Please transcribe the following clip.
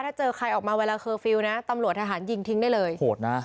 ถ้าเจอใครออกมาเวลาเคอร์ฟิลล์นะตำรวจทหารยิงทิ้งได้เลยโหดนะ